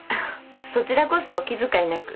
そちらこそお気遣いなく。